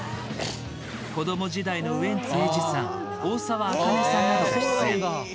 子ども時代のウエンツ瑛士さん大沢あかねさんなどが出演。